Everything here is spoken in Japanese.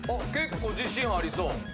結構自信ありそう。